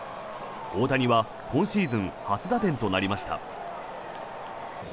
大谷は今シーズン初打点となりました。